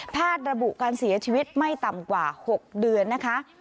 ระบุการเสียชีวิตไม่ต่ำกว่า๖เดือนนะคะ